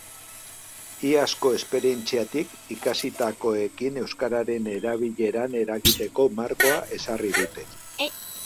Iazko esperientziatik ikasitakoekin euskararen erabileran eragiteko markoa ezarri dute.